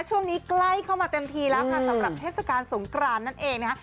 ช่วงนี้ใกล้เข้ามาเต็มทีแล้วค่ะสำหรับเทศกาลสงกรานนั่นเองนะคะ